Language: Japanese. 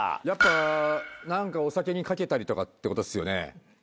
やっぱ何かお酒にかけたりとかってことっすよね。